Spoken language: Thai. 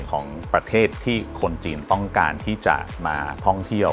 ของประเทศที่คนจีนต้องการที่จะมาท่องเที่ยว